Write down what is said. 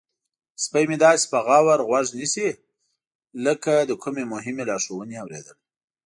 سپی مې داسې په غور غوږ نیسي لکه د کومې مهمې لارښوونې اوریدل.